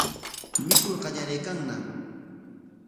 Mikur qallariykanñam.